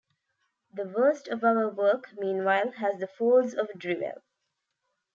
The worst of our work, meanwhile, has the faults of drivel.